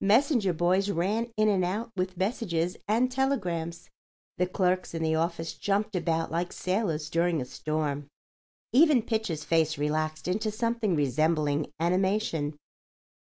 Messenger boys ran in and out with messages and telegrams. The clerks in the office jumped about like sailors during a storm. Even Pitcher's face relaxed into something resembling animation.